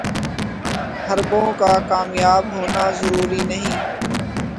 حربوں کا کامیاب ہونا ضروری نہیں